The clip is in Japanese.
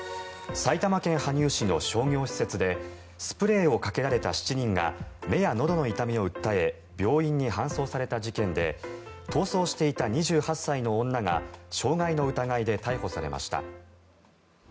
埼玉県羽生市の商業施設でスプレーをかけられた７人が目やのどの痛みを訴え病院に搬送された事件で逃走していた２８歳の女が傷害の疑いで逮捕されました。